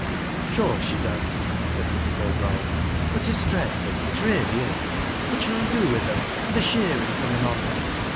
"Sure she does," said Mrs. O'Brien. "But it's dreadful ; it really is. What shall I do with 'em, and the shearin' comin' on."